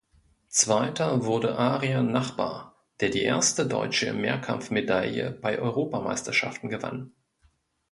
Zweiter wurde Arian Nachbar, der die erste deutsche Mehrkampf-Medaille bei Europameisterschaften gewann.